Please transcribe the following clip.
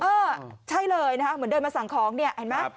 เออใช่เลยนะคะเหมือนเดินมาสั่งของเนี่ยเห็นไหม